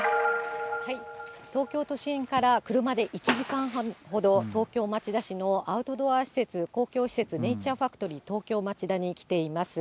東京都心から車で１時間半ほど、東京・町田市のアウトドア施設、公共施設、ネイチャーファクトリー東京町田に来ています。